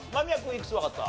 いくつわかった？